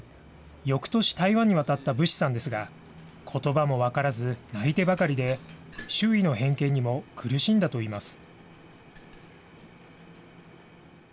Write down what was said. よくとし、台湾に渡った武氏さんですが、ことばも分からず泣いてばかりで、周囲の偏見にも苦しんだといいます。